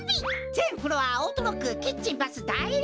ぜんフロアオートロックキッチンバスだいりせき。